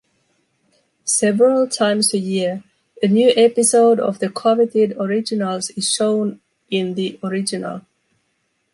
Several times a year, a new episode of the coveted originals is shown in the original.